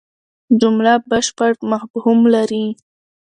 جمله بشپړ مفهوم لري.